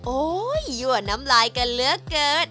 โอ้ยหยวดน้ำลายกันเลือกเกิน